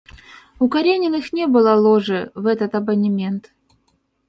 У Карениных не было ложи в этот абонемент.